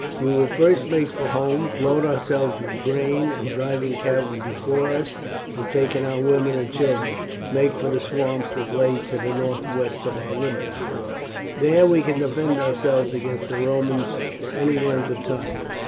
We will first make for home, load ourselves with grain, and driving cattle before us, and taking our women and children, make for the swamps that lie to the northwest of our limits. There we can defend ourselves against the Romans for any length of time."